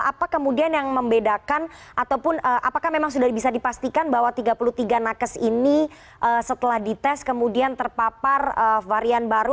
apa kemudian yang membedakan ataupun apakah memang sudah bisa dipastikan bahwa tiga puluh tiga nakes ini setelah dites kemudian terpapar varian baru